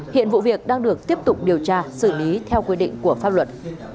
hiện vụ việc đang được tiếp tục điều tra xử lý theo quy định của pháp luật